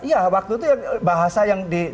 iya waktu itu bahasa yang di